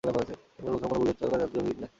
এবারই প্রথম কোনো বলিউড তারকা চাঁদে জমি কিনলেন।